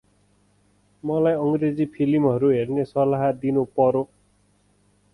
मलाई अंग्रेजी फिलिमहरु हेर्ने सलाह दिनु परो।